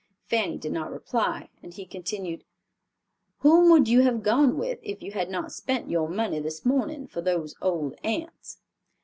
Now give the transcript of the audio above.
Fanny did not reply; and he continued, "Whom would you have gone with if you had not spent your money this morning for those old aunts?"